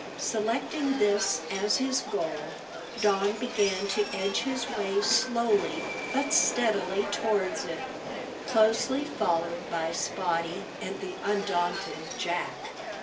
Selecting this as his goal, Don began to edge his way slowly but steadily towards it, closely followed by Spottie and the undaunted Jack.